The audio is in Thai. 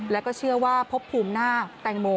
แล้วก็เชื่อว่าพบภูมิหน้าแตงโม